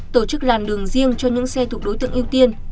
tổ chức làn đường riêng cho những xe thuộc đối tượng ưu tiên